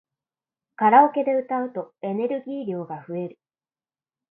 カラオケで歌うとエネルギー量が増える